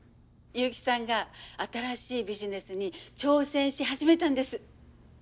結城さんが新しいビジネスに挑戦し始めたんです。